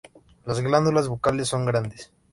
Las glándulas bucales son grandes.